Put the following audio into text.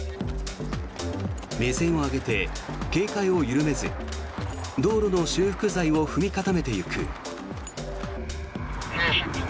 目線を上げて警戒を緩めず道路の修復材を踏み固めていく。